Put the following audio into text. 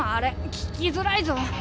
聞きづらいぞ。